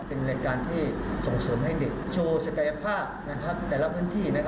เป็นรายการที่ส่งเสริมให้เด็กโชว์ศักยภาพแต่ละพื้นที่